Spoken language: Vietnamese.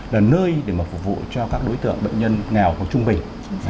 là nơi để mà phục vụ cho các đối tượng bệnh nhân nghèo trung bình